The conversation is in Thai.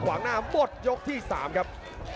ขวางหน้าบดยกที่๓ครับ